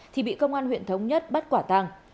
thì bị công an huyện thống nhất bắt quả tàng